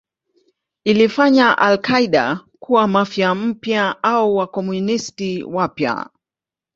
Ilifanya al-Qaeda kuwa Mafia mpya au Wakomunisti wapya.